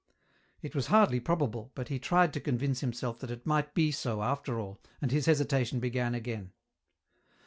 It was hardly probable, but he tried to convince himself that it might be so after all, and his hesitation began again.